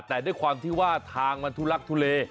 แต่ด้วยความที่ว่าทางมันทุลักทุเล